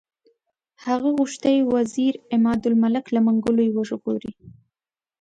هغه غوښتي وزیر عمادالملک له منګولو یې وژغوري.